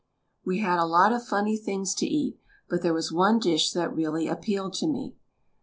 We had a lot of funny things to eat, but there was one dish that really appealed to me.